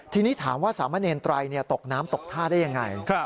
ทีนี้ถามว่าสามะเนรไตรตกน้ำตกท่าได้ยังไง